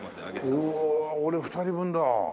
おお俺２人分だ。